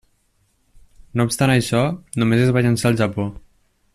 No obstant això, només es va llançar al Japó.